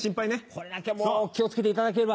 これだけはもう気を付けていただければ。